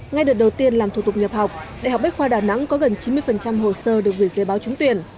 ngay đợt đầu tiên làm thủ tục nhập học đại học bách khoa đà nẵng có gần chín mươi hồ sơ được gửi giới báo trúng tuyển